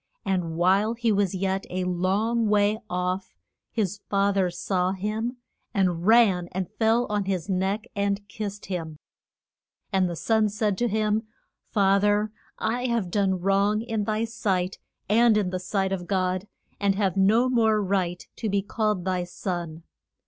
And while he was yet a long way off his fa ther saw him, and ran and fell on his neck and kissed him. And the son said to him, Fa ther I have done wrong in thy sight, and in the sight of God, and have no more right to be called thy son.